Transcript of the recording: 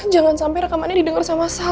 jangan sampai rekamannya didengar sama saya